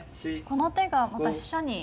この手がまた飛車に。